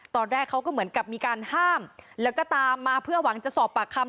ตอนแรกเขาก็เหมือนกับมีการห้ามแล้วก็ตามมาเพื่อหวังจะสอบปากคำ